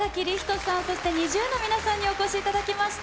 さん、そして、ＮｉｚｉＵの皆さんにお越しいただきました。